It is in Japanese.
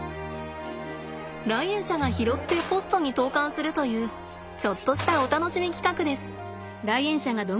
来園者が拾ってポストに投かんするというちょっとしたお楽しみ企画です。